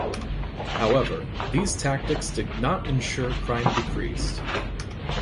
However, these tactics did not ensure crime decreased.